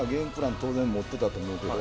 当然持ってたと思うけど。